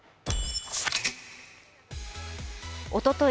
おととい